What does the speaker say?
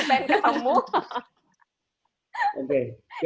jadi pengen ketemu